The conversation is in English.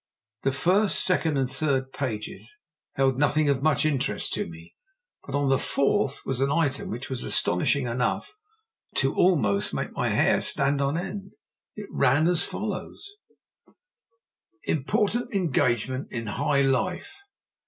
The first, second, and third pages held nothing of much interest to me, but on the fourth was an item which was astonishing enough to almost make my hair stand on end. It ran as follows: IMPORTANT ENGAGEMENT IN HIGH LIFE.